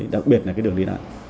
đặc biệt là cái đường đi lại